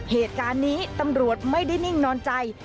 เหตุการณ์นี้ตำรวจไม่ได้นิ่งนอนใจ